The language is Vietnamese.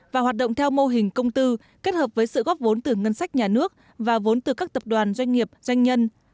và hoạt động theo mô hình công tư kết hợp với sự góp vốn từ ngân sách nhà nước và vốn từ các tập đoàn doanh nghiệp doanh nhân